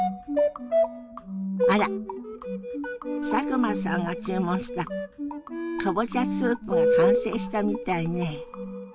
あら佐久間さんが注文したかぼちゃスープが完成したみたいね。